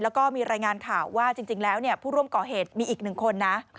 แล้วก็มีรายงานข่าวว่าจริงแล้วผู้ร่วมก่อเหตุมีอีกหนึ่งคนนะ